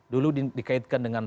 dulu dikaitkan dengan